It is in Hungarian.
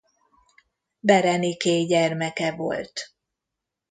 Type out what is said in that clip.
Bereniké gyermeke volt.